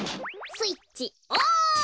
スイッチオン！